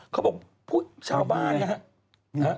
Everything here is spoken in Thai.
เขาบอกผู้ชาวบ้านนะฮะ